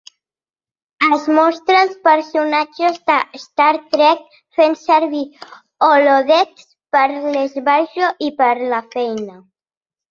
Es mostra els personatges de "Star Trek" fent servir holodecks per a l'esbarjo i per a la feina.